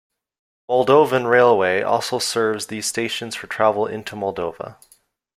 Moldovan railway also serves these stations for travel into Moldova.